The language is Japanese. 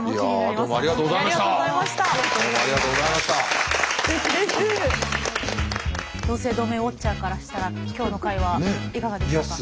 同姓同名ウォッチャーからしたら今日の回はいかがでしたか？